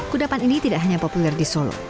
kudapan ini tidak hanya populer di solo